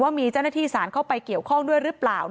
ว่ามีเจ้าหน้าที่สารเข้าไปเกี่ยวข้องด้วยหรือเปล่า